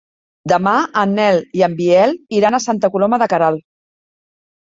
Demà en Nel i en Biel iran a Santa Coloma de Queralt.